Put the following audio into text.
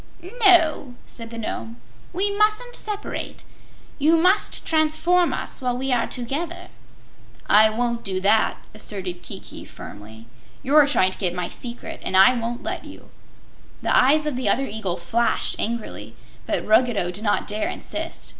"No," said the Nome, "we mustn't separate. You must transform us while we are together." "I won't do that," asserted Kiki, firmly. "You're trying to get my secret, and I won't let you." The eyes of the other eagle flashed angrily, but Ruggedo did not dare insist.